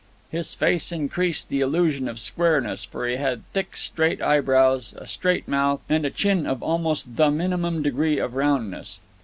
His face increased the illusion of squareness, for he had thick, straight eyebrows, a straight mouth, and a chin of almost the minimum degree of roundness.